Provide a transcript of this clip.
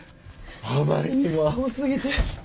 あまりにもあほすぎて。